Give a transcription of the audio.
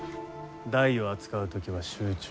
台を扱う時は集中。